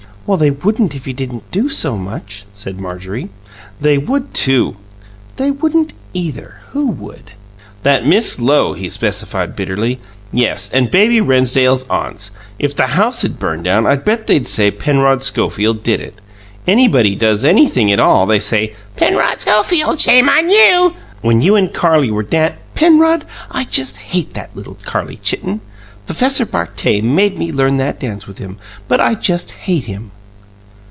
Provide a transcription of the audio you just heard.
"Well, they wouldn't if you didn't do so much," said Marjorie. "They would, too." "They wouldn't, either. Who would?" "That Miss Lowe," he specified bitterly. "Yes, and Baby Rennsdale's aunts. If the house'd burn down, I bet they'd say Penrod Schofield did it! Anybody does anything at ALL, they say, 'Penrod Schofield, shame on you!' When you and Carlie were dan " "Penrod, I just hate that little Carlie Chitten. P'fesser Bartet made me learn that dance with him; but I just hate him."